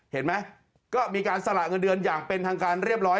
เห็นไหมก็มีการสละเงินเดือนอย่างเป็นทางการเรียบร้อย